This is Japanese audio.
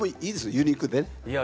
ユニークで。